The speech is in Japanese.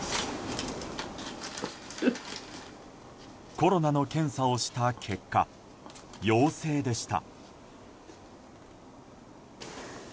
コロナの検査をした結果陽性でした。